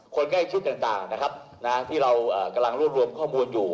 คนใกล้ชิดต่างนะครับที่เรากำลังรวบรวมข้อมูลอยู่